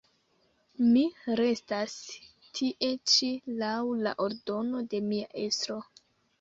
Mi restas tie ĉi laŭ la ordono de mia estro.